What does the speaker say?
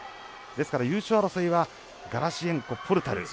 ですから優勝争いはガラシェンコ、ポルタル。